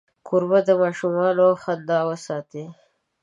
کوربه د ماشومانو خندا وساتي.